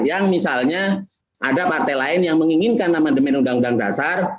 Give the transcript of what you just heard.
yang misalnya ada partai lain yang menginginkan amandemen undang undang dasar